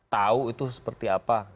tahu itu seperti apa